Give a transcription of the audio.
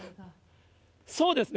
そうですね。